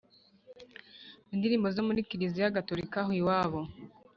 indirimbo zo muri kiliziya gatolika aho iwabo